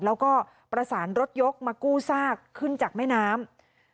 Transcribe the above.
แล้วก็ประสานรถยกมากู้ซากขึ้นจากแม่น้ำ